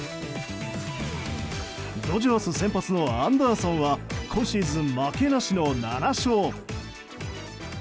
ドジャース先発のアンダーソンは今シーズン負けなしの７勝。